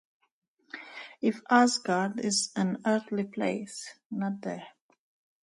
If Asgard is an earthly place, not there.